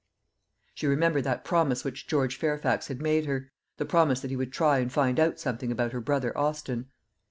She remembered that promise which George Fairfax had made her the promise that he would try and find out something about her brother Austin.